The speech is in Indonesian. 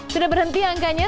sudah berhenti angkanya